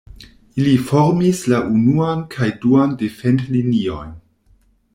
Ili formis la unuan kaj duan defend-liniojn.